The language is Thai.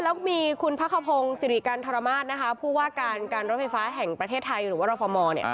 แล้วมีคุณพระข้าวพงศ์ศิริการธรรมาชผู้ว่าการการรถไฟฟ้าแห่งประเทศไทยหรือว่ารฟม